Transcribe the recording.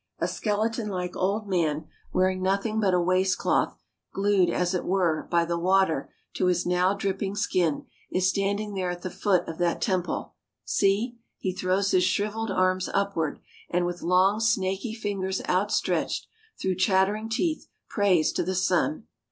A skeleton like old man wearing nothing but a waistcloth, glued, as it were, by the water to his now dripping skin, is standing there at the foot of that temple. See ! he throws his shriveled arms upward, and with long, snaky fingers outstretched, through chattering teeth, prays to the sun.